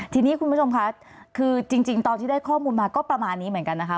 ทีนี้คุณผู้ชมค่ะคือจริงตอนที่ได้ข้อมูลมาก็ประมาณนี้เหมือนกันนะคะ